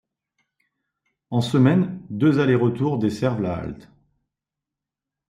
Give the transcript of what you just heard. En semaine deux aller et retour desservent la halte.